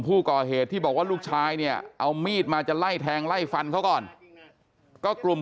ผู้ก่อเหตุที่บอกว่าลูกชายเนี่ยเอามีดมาจะไล่แทงไล่ฟันเขาก่อนก็กลุ่ม